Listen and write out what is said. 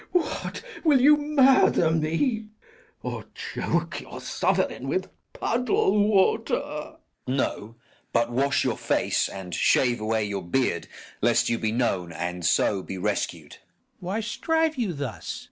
what, will you murder me, Of choke your sovereign with puddle water? Gur. No, but wash your face, and shave away your beard, Lest you be known, and so be rescued. Mat. Why strive you thus?